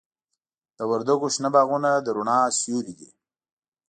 د وردګو شنه باغونه د رڼا سیوري دي.